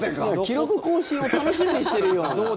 記録更新を楽しみにしてるような。